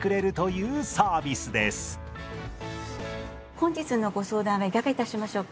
本日のご相談はいかがいたしましょうか？